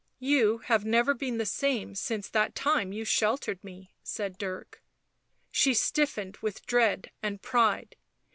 "You have never been the same since that time you sheltered me," said Dirk. She stiffened with dread and pride.